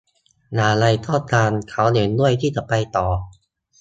อย่างไรก็ตาม เขาเห็นด้วยที่จะไปต่อ